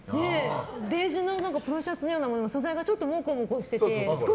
ベージュのポロシャツのようなものも素材がモコモコしていて。